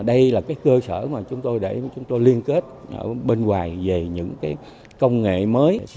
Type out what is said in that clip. đây là cơ sở để chúng tôi liên kết bên ngoài về những công nghệ mới